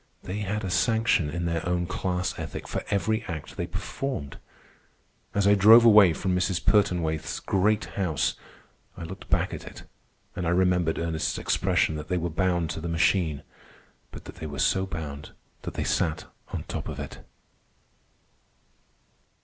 They had a sanction, in their own class ethic, for every act they performed. As I drove away from Mrs. Pertonwaithe's great house, I looked back at it, and I remembered Ernest's expression that they were bound to the machine, but that they were so bound that they sat on top of it.